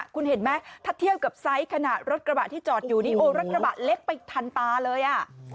คุณเห็นไหมถ้าเทียบกับไซส์ขนาดรถกระบะที่จอดอยู่นี่โอ้รถกระบะเล็กไปทันตาเลยอ่ะ